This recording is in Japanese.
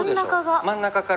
真ん中が。